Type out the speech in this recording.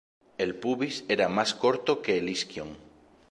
El pubis era más corto que el isquion.